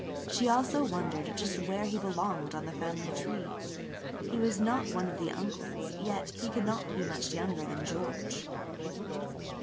She also wondered just where he belonged on the family tree. He was not one of the uncles, yet he could not be much younger than George.